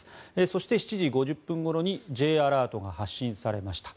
そして７時５０分ごろにＪアラートが発信されました。